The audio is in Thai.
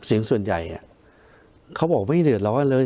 เสียงส่วนใหญ่เขาบอกไม่เดือดร้อนเลย